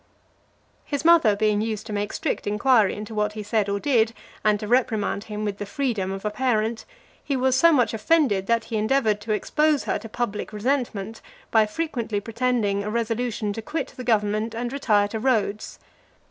XXXIV. His mother being used to make strict inquiry into what he said or did, and to reprimand him with the freedom of a parent, he was so much offended, that he endeavoured to expose her to public resentment, by frequently pretending a resolution to quit the government, and retire to Rhodes.